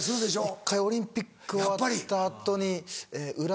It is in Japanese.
１回オリンピック終わった後にえ浦。